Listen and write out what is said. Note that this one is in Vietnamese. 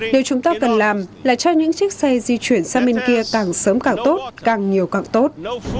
điều chúng ta cần làm là cho những chiếc xe di chuyển sang bên kia càng sớm càng tốt càng nhiều càng tốt